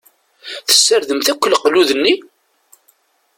Tessardemt akk leqlud-nni?